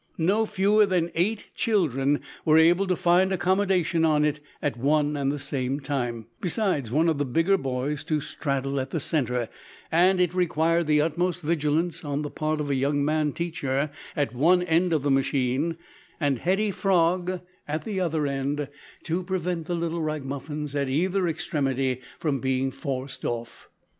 No fewer than eight children were able to find accommodation on it at one and the same time, besides one of the bigger boys to straddle in the centre; and it required the utmost vigilance on the part of a young man teacher at one end of the machine, and Hetty Frog at the other end, to prevent the little ragamuffins at either extremity from being forced off.